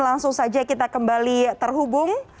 langsung saja kita kembali terhubung